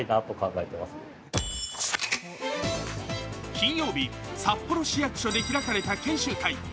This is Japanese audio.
金曜日、札幌市役所で開かれた研修会。